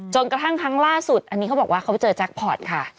กระทั่งครั้งล่าสุดอันนี้เขาบอกว่าเขาเจอแจ็คพอร์ตค่ะ